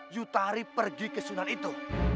yutari pergi ke sunan itu